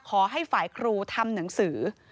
ขอให้ฝ่ายครูทำหนังสือ